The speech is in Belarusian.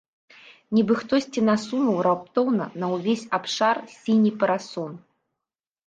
Нібы хтосьці насунуў раптоўна на ўвесь абшар сіні парасон.